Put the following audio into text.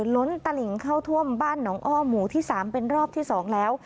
ล้นตลิงเข้าท่วมบ้านหนองอ้อหมู่ที่๓เป็นรอบที่๒แล้ว